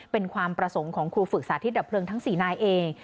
เป็นความประสงค์ของครูฝึกสาธิตดับเพลิงทั้ง๔นายเอง